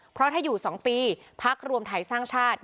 เพราะถ้าอยู่๒ปีพักรวมไทยสร้างชาติ